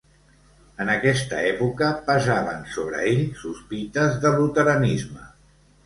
En aquesta època pesaven sobre ell sospites de luteranisme.